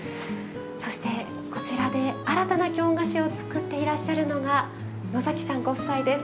そしてこちらで新たな京菓子を作っていらっしゃるのが野崎さんご夫妻です。